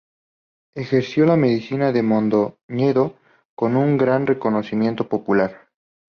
Ejerció la Medicina en Mondoñedo, con un gran reconocimiento popular.